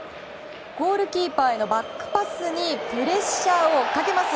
ゴールキーパーへのバックパスにプレッシャーをかけます。